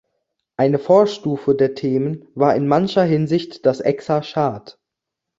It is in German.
Eine Vorstufe der Themen war in mancher Hinsicht das Exarchat.